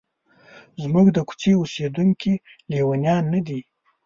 زموږ د کوڅې اوسیدونکي لیونیان نه دي.